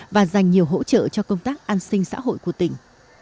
và dành nhiều hỗ trợ cho công tác an sinh xã hội của tỉnh